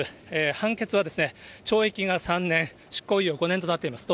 判決はですね、懲役が３年、執行猶予５年となっています。